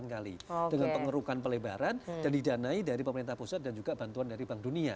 dan pemerintah pusat pupr ini juga melakukan pemerintahan pelebaran dan didanai dari pemerintah pusat dan juga bantuan dari bank dunia